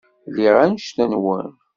Lliɣ annect-nwen.